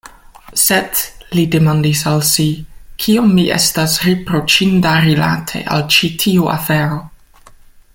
Sed, li demandis al si, kiom mi estas riproĉinda rilate al ĉi tiu afero?